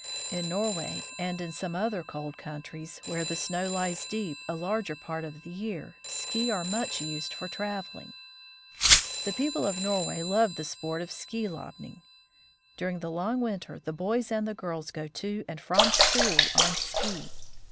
In Norway and in some other cold countries, where the snow lies deep a larger part of the year, ski are much used for traveling. The people of Norway love the sport of ski lobning. During the long winter the boys and the girls go to and from school on ski.